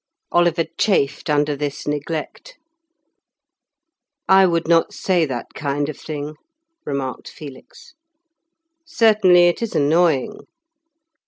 Oliver chafed under this neglect. "I would not say that kind of thing," remarked Felix. "Certainly it is annoying."